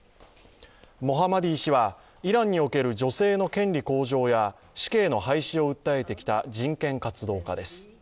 モハマディ氏は、イランにおける女性の権利向上や死刑の廃止を訴えてきた人権活動家です。